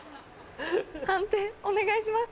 判定お願いします。